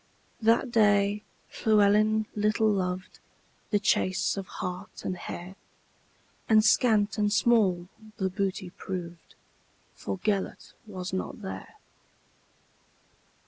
That day Llewelyn little lovedThe chase of hart and hare; And scant and small the booty proved, For Gêlert was not there.